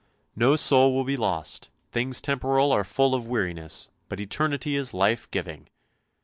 No soul will be lost, things temporal are full of weariness, but eternity is life giving.